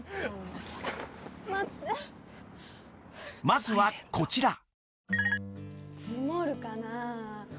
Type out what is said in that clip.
［まずはこちら］